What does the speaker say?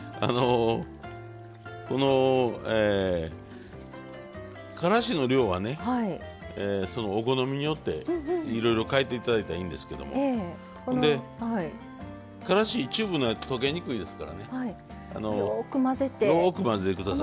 このからしの量はねそのお好みによっていろいろ変えていただいたらいいんですけどもからしチューブのやつ溶けにくいですからねよく混ぜてください。